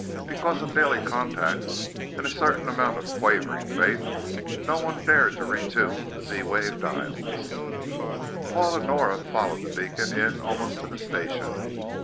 Because of daily contact and a certain amount of quavering faith, no one dared to retune the Z wave dials. Paul and Nora followed the beacon in almost to the station.